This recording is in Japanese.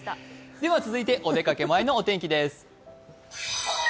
では続いてお出かけ前のお天気です。